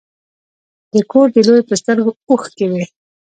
د کور د لویو په سترګو اوښکې وینې.